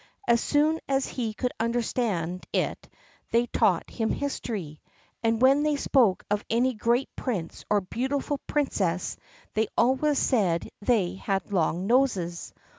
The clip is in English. As soon as he could understand it they taught him history, and when they spoke of any great prince or beautiful princess they always said they had long noses.